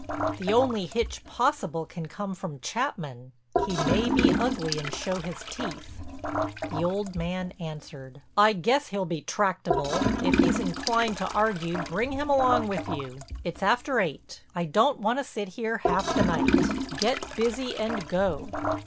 "The only hitch possible can come from Chapman—he may be ugly and show his teeth." The old man answered: "I guess he'll be tractable. If he's inclined to argue bring him along with you. It's after eight. I don't want to sit here half the night. Get busy and go."